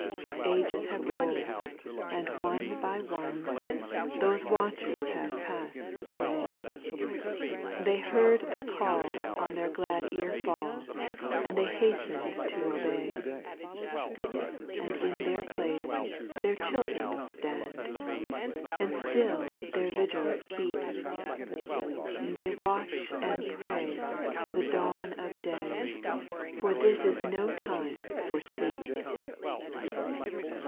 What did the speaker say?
6. Ages have rolled, and one by one. Those watchers have passed away ; They heard the call on their glad ear fall, And they hastened to obey. 7. And in their place their children stand, And still their vigils keep, They watch and pray for the dawn of day. For this is no time for sleep.